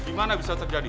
gimana bisa terjadi